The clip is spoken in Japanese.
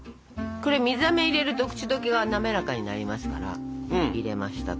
これ水あめを入れると口溶けが滑らかになりますから入れましたと。